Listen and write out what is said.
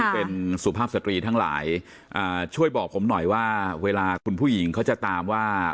เป็นสุภาพสตรีทั้งหลายช่วยบอกผมหน่อยว่าเวลาคุณผู้หญิงเขาจะตามว่า